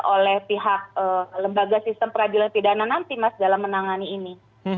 oleh pihak lembaga sistem peradilan pidana nanti mas dalam menangani ini